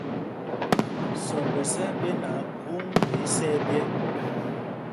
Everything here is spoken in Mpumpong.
Sɔmbɛs ɛ́ ɛ́ ɓenaa khôŋ ɓɛ isɛ̄ɛ̄ ɓyɛ̄.